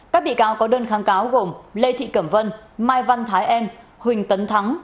các bị cáo có đơn kháng cáo gồm lê thị cẩm vân mai văn thái em huỳnh tấn thắng